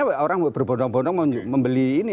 iya misalnya orang berbondong bondong membeli ini